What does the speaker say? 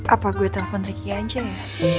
apa gue telpon ricky aja ya